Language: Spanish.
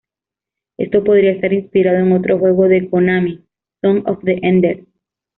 Esto podría estar inspirado en otro juego de Konami, "Zone of the Enders".